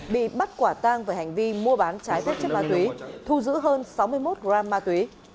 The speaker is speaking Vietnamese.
bị bắt quả tăng với hành vi mua bán trái bất chấp ma túy thu giữ hơn sáu mươi một gram ma túy